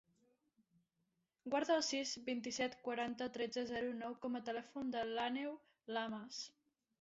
Guarda el sis, vint-i-set, quaranta, tretze, zero, nou com a telèfon de l'Àneu Lamas.